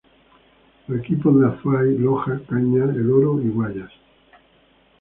Los equipos de Azuay, Loja, Cañar, El Oro y Guayas.